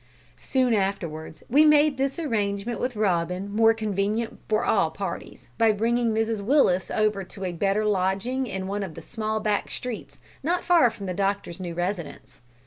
Soon afterwards we made this arrangement with Robin more convenient for all parties, by bringing Mrs Willis over to a better lodging in one of the small back streets not far from the doctor's new residence.